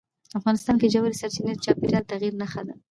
افغانستان کې ژورې سرچینې د چاپېریال د تغیر نښه ده.